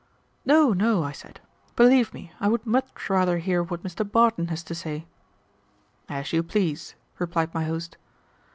"No, no," I said. "Believe me, I would much rather hear what Mr. Barton has to say." "As you please," replied my host.